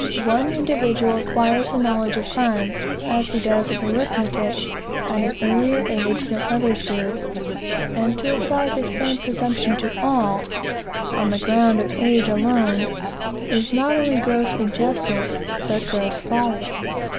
One individual acquires a knowledge of crimes, as he does of arithmetic, at an earlier age than others do. And to apply the same presumption to all, on the ground of age alone, is not only gross injustice, but gross folly.